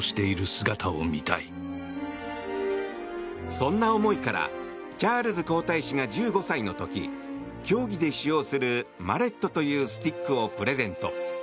そんな思いからチャールズ皇太子が１５歳の時競技で使用するマレットというスティックをプレゼント。